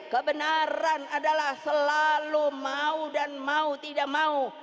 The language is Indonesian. kebenaran adalah selalu mau dan mau tidak mau